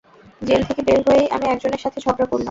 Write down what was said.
Jail থেকে বের হয়েই আমি একজনের সাথে ঝগড়া করলাম।